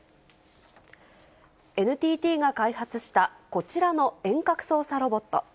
ＮＴＴが開発したこちらの遠隔操作ロボット。